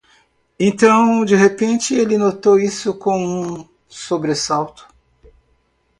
Então, de repente, ele notou isso com um sobressalto.